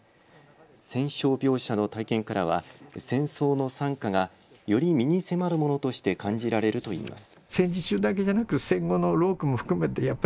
戦傷病者の体験からは戦争の惨禍がより身に迫るものとして感じられるといいます。